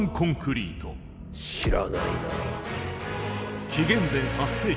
知らないなあ。